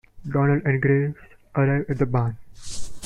Donald and Grace arrive at the barn.